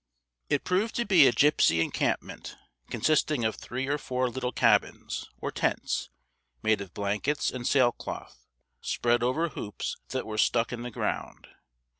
It proved to be a gipsy encampment, consisting of three or four little cabins, or tents, made of blankets and sail cloth, spread over hoops that were stuck in the ground.